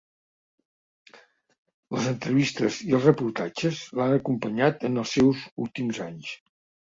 Les entrevistes i els reportatges l'han acompanyat en els seus últims anys.